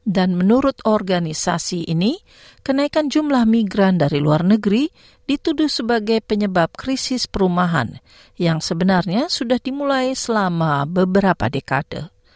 dan menurut organisasi ini kenaikan jumlah migran dari luar negeri dituduh sebagai penyebab krisis perumahan yang sebenarnya sudah dimulai selama beberapa dekade